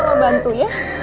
mama bantu ya